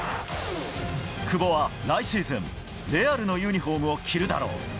久保は来シーズン、レアルのユニホームを着るだろう。